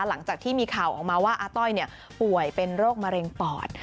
หลังจากที่มีข่าวออกมาว่าอาต้อยป่วยเป็นโรคมะเร็งปอด